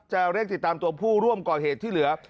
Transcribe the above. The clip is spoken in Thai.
เร่งติดตามตัวผู้ร่วมก่อเหตุที่เหลือ